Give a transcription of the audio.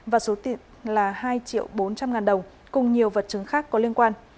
và số tiền là hai triệu bốn trăm linh ngàn đồng cùng nhiều vật chứng khác có liên quan